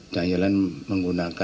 jalan jalan menggunakan virtual